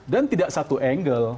dan tidak satu angle